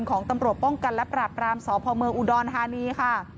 ของตำรวจป้องกันและปราบรามสพเมืองอุดรธานีค่ะ